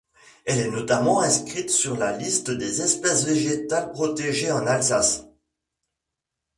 Elle est notamment inscrite dans la liste des espèces végétales protégées en Alsace.